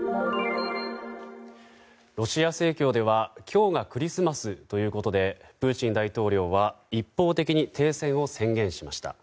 ロシア正教では今日がクリスマスということでプーチン大統領は一方的に停戦を宣言しました。